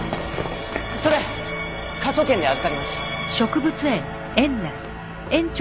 それ科捜研で預かります。